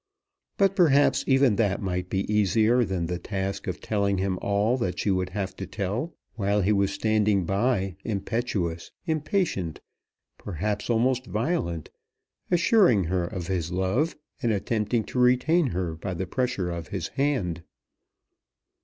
But perhaps even that might be easier than the task of telling him all that she would have to tell, while he was standing by, impetuous, impatient, perhaps almost violent, assuring her of his love, and attempting to retain her by the pressure of his hand.